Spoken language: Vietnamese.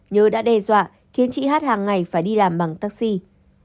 nhớ đã đe dọa khiến chị hát hàng ngày phải đi làm bằng taxi